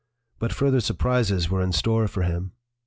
But further surprises were in store for him.